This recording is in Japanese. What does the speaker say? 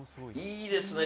いいですね。